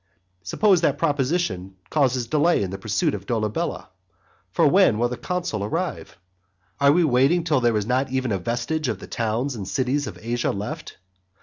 Suppose that proposition causes delay in the pursuit of Dolabella? For when will the consul arrive? Are we waiting till there is not even a vestige of the towns and cities of Asia left?